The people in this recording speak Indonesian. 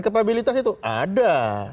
kepabilitas itu ada